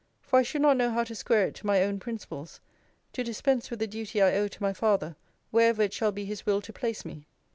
For I should not know how to square it to my own principles, to dispense with the duty I owe to my father, wherever it shall be his will to place me.